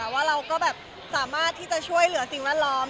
ว่าเราก็แบบสามารถที่จะช่วยเหลือสิ่งแวดล้อม